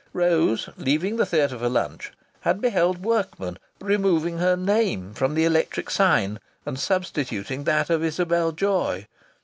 Rose, leaving the theatre for lunch, had beheld workmen removing her name from the electric sign and substituting that of Isabel Joy!